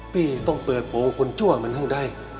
พี่ต้องเปิดโปรคนชั่วมันให้ได้